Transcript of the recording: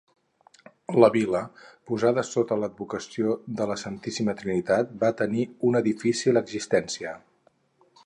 La vila, posada sota l'advocació de la Santíssima Trinitat, va tenir una difícil existència.